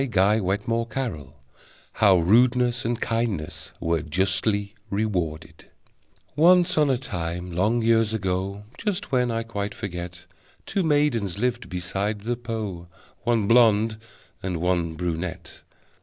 How Rudeness and Kindness Were Justly Rewarded Once on a time, long years ago (Just when I quite forget), Two maidens lived beside the Po, One blonde and one brunette.